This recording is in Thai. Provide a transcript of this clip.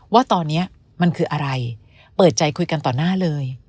ว่าตอนนี้มันคืออะไรเปิดใจคุยกันต่อหน้าเลย